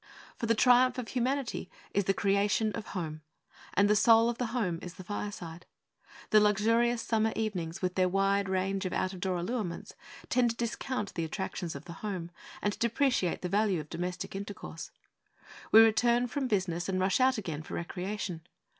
For the triumph of humanity is the creation of home; and the soul of the home is the fireside. The luxurious summer evenings, with their wide range of out of door allurements, tend to discount the attractions of the home, and to depreciate the value of domestic intercourse. We return from business and rush out again for recreation.